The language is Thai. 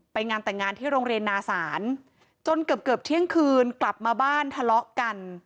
งานแต่งงานที่โรงเรียนนาศาลจนเกือบเกือบเที่ยงคืนกลับมาบ้านทะเลาะกัน